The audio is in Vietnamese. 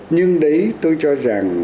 nhưng đấy tôi cho rằng